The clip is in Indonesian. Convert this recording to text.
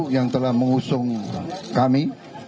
yang telah mengusung kami